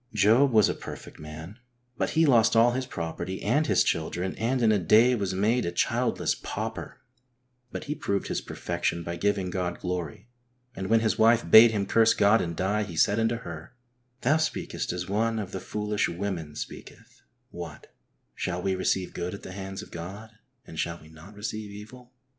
Job was a perfect man, but he lost all his property and his children, and in a day was made a childless pauper, but he proved his perfection by giving God glory, and when his wife bade him curse God and die, he said unto her, "Thou speakest as one of the foolish women speaketh; what, shall we receive good at the hands of God and shall we not receive evil